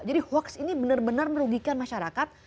jadi hoax ini benar benar merugikan masyarakat